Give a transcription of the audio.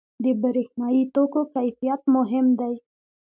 • د برېښنايي توکو کیفیت مهم دی.